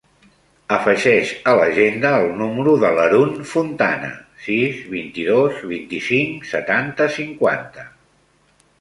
Afegeix a l'agenda el número de l'Haroun Fontana: sis, vint-i-dos, vint-i-cinc, setanta, cinquanta.